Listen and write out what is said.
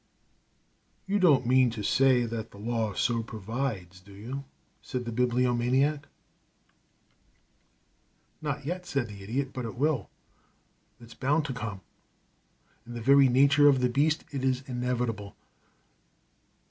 "You don't mean to say that the law so provides, do you?" said the Bibliomaniac. "Not yet," said the Idiot, "but it will it's bound to come. In the very nature of the beast it is inevitable.